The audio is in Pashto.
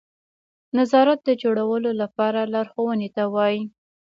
نظارت د جوړولو لپاره لارښوونې ته وایي.